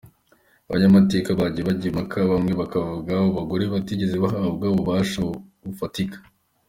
Abanyamateka bagiye bajya impaka bamwe bakavuga ko abo bagore batigeze bahabwa ububasha bufatika.